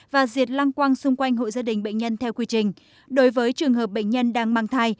và diệt lăng quăng xung quanh hộ gia đình bệnh nhân theo quy trình đối với trường hợp bệnh nhân đang mang thai